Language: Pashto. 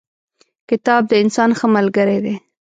کتاب د انسان ښه ملګری دی.